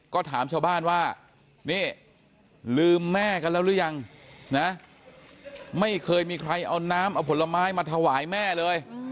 ก็ถามชาวบ้านว่านี่ลืมแม่กันแล้วหรือยังนะไม่เคยมีใครเอาน้ำเอาผลไม้มาถวายแม่เลย